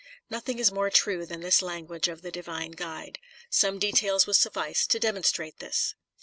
Nothing is more true than this language of the divine guide; some details will suffice to demonstrate this.